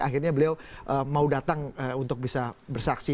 akhirnya beliau mau datang untuk bisa bersaksi